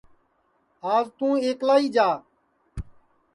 آج توں ایکلا ہی جا